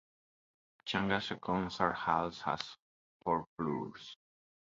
Changsha Concert Hall has four floors.